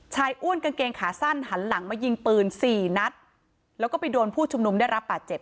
อ้วนกางเกงขาสั้นหันหลังมายิงปืนสี่นัดแล้วก็ไปโดนผู้ชุมนุมได้รับบาดเจ็บ